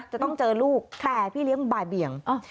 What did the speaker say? จะต้องเจอลูกแต่พี่เลี้ยงบ่ายเบียง